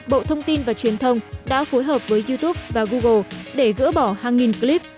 bộ thông tin và truyền thông đã phối hợp với youtube và google để gỡ bỏ hàng nghìn clip